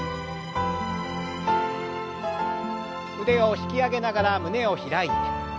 腕を引き上げながら胸を開いて。